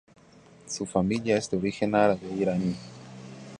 Su familia es de origen árabe iraní.